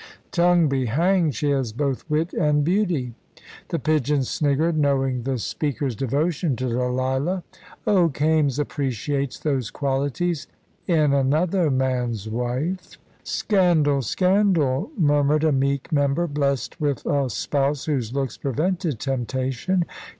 "Tongue be hanged! She has both wit and beauty." The pigeon sniggered, knowing the speaker's devotion to Delilah. "Oh, Kaimes appreciates those qualities in another man's wife." "Scandal! Scandal!" murmured a meek member, blessed with a spouse whose looks prevented temptation.